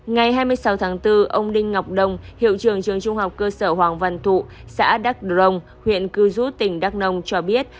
ngày hai mươi sáu tháng bốn ông đinh ngọc đông hiệu trường trường trung học cơ sở hoàng văn thụ xã đắk rồng huyện cư rút tỉnh đắk nông cho biết